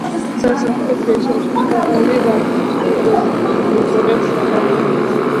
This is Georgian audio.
სასახლე დღეისათვის მაღალი რანგის სტუმრების მისაღებად გამოიყენება.